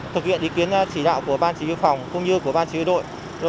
thực hiện ý kiến chỉ đạo của ban chỉ huy phòng cũng như của ban chỉ huy đội